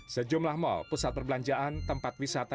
sejumlah mal pusat perbelanjaan tempat wisata